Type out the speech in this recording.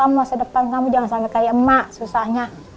kamu masa depan kamu jangan sangat kayak emak susahnya